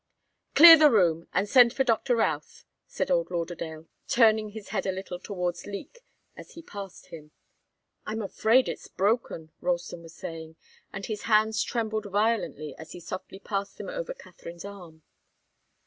"Clear the room and send for Doctor Routh," said old Lauderdale, turning his head a little towards Leek as he passed him. "Yes, sir." "I'm afraid it's broken," Ralston was saying, and his hands trembled violently as he softly passed them over Katharine's arm.